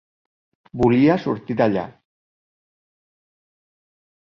Volia sortir d'allà.